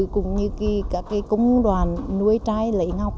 cũng như các công đoàn nuôi chai lấy ngọc